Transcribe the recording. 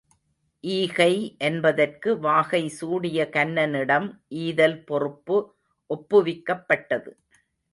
ஈகை என்பதற்கு வாகை சூடிய கன்னனிடம் ஈதல் பொறுப்பு ஒப்புவிக்கப்பட்டது.